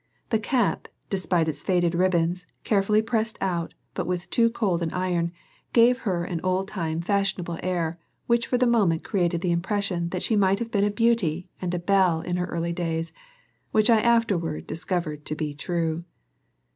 The cap, despite its faded ribbons carefully pressed out but with too cold an iron, gave her an old time fashionable air which for the moment created the impression that she might have been a beauty and a belle in her early days, which I afterward discovered to be true.